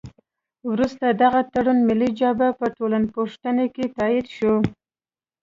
وروسته دغه تړون ملي جبهه په ټولپوښتنه کې تایید شو.